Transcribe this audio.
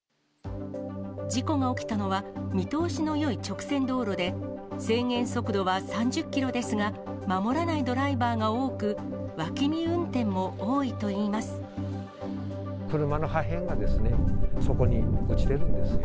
事故が起きたのは、見通しのよい直線道路で、制限速度は３０キロですが、守らないドライバーが多く、車の破片が、そこに落ちてるんですよ。